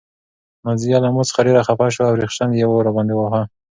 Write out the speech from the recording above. نازیه له ما څخه ډېره خفه شوه او ریشخند یې راباندې واهه.